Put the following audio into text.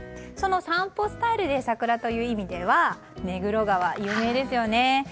その散歩スタイルで桜という意味では目黒川、有名ですよね。